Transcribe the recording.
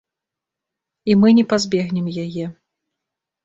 І мы не пазбегнем яе.